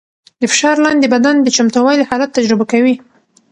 د فشار لاندې بدن د چمتووالي حالت تجربه کوي.